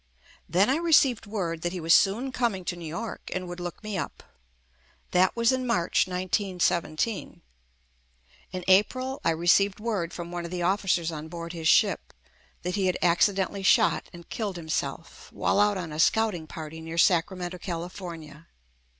Then I received word that he was soon coming to New York and would look me up. That was in March 1917. In April I re ceived word from one of the officers on board JUST ME his ship that he had accidentally shot and killed himself while out on a scouting party near Sacramento, California.